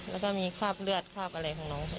แล้วก็มีคราบเลือดคราบอะไรของน้อง